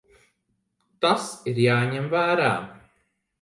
Tas ir jāņem vērā.